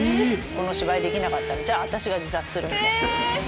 この芝居できなかったらじゃあ私が自殺する。